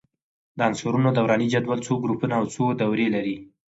د عنصرونو دوراني جدول څو ګروپونه او څو دورې لري؟